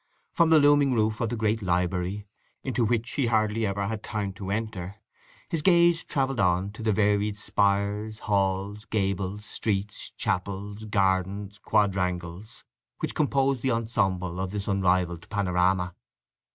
From the looming roof of the great library, into which he hardly ever had time to enter, his gaze travelled on to the varied spires, halls, gables, streets, chapels, gardens, quadrangles, which composed the ensemble of this unrivalled panorama.